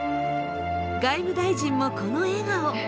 外務大臣もこの笑顔。